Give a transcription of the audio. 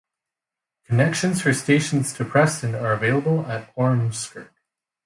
Connections for stations to Preston are available at Ormskirk.